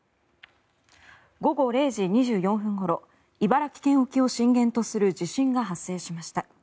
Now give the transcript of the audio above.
午後０時２４分ごろ茨城県沖を震源とする地震が発生しました。